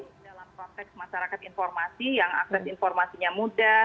pertama sekali kita harus memiliki konteks masyarakat informasi yang akses informasinya mudah